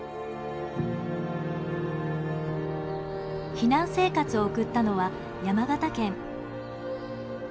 避難生活を送ったのは山形県。